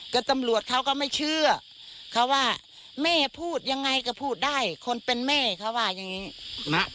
ก็ตำรวจเขาก็ไม่เชื่อเขาว่าแม่พูดยังไงก็พูดได้คนเป็นแม่เขาว่าอย่างนี้